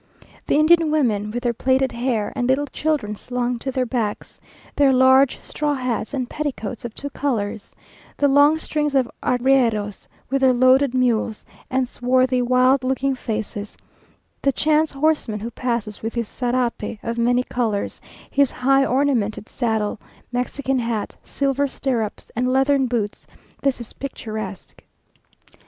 The Indian women with their plaited hair, and little children slung to their backs, their large straw hats, and petticoats of two colours the long strings of arrieros with their loaded mules, and swarthy, wild looking faces the chance horseman who passes with his sarape of many colours, his high ornamented saddle, Mexican hat, silver stirrups, and leathern boots this is picturesque.